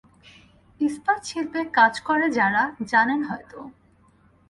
ইস্পাতশিল্পে কাজ করে যারা, জানেন হয়ত।